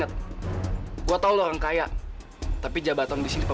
eh lu ke mana aja sih